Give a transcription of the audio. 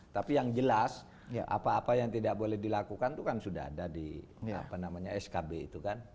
tapi yang jelas apa apa yang tidak boleh dilakukan itu kan sudah ada di skb itu kan